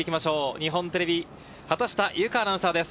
日本テレビ・畑下由佳アナウンサーです。